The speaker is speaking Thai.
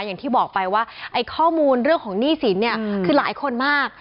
อย่างที่บอกไปว่าไอ้ข้อมูลเรื่องของหนี้สินเนี่ยคือหลายคนมาก